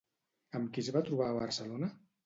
Amb qui es va trobar a Barcelona?